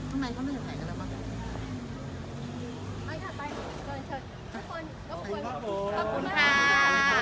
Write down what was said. ทุกคนขอบคุณค่ะ